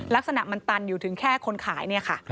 ลักษณะมันตันอยู่ถึงแค่คนขาย